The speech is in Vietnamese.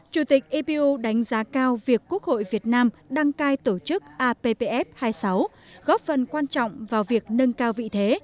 chủ tịch ipu đánh giá cao việc quốc hội việt nam đăng cai tổ chức appf hai mươi sáu góp phần quan trọng vào việc nâng cao vị thế